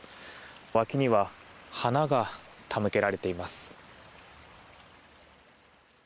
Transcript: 脇には花が手向けられています。